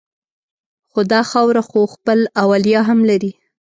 خو دا خاوره خو خپل اولیاء هم لري